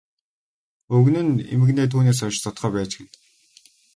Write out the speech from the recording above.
Өвгөн нь эмгэнээ түүнээс хойш зодохоо байж гэнэ.